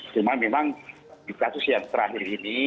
cuma memang di kasus yang terakhir ini